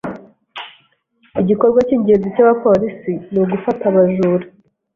Igikorwa cyingenzi cyabapolisi nugufata abajura.